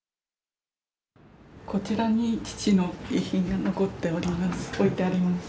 こちらに父の遺品が残っております